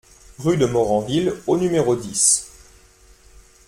Rue de Moranville au numéro dix